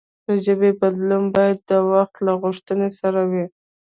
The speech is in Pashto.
د ژبې بدلون باید د وخت له غوښتنو سره وي.